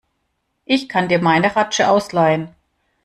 Ich kann dir meine Ratsche ausleihen.